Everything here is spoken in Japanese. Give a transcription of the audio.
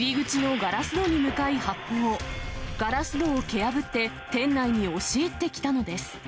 ガラス戸を蹴破って、店内に押し入ってきたのです。